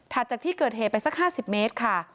จากที่เกิดเหตุไปสัก๕๐เมตรค่ะ